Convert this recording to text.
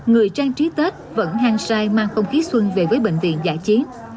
người trang trí tết vẫn hang sai mang không khí xuân về với bệnh viện giả chiến